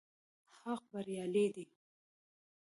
حق بريالی دی